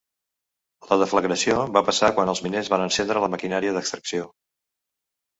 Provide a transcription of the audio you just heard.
La deflagració va passar quan els miners van encendre la maquinària d'extracció.